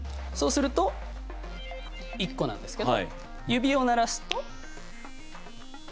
そうすると１個なんですけど指を鳴らすと。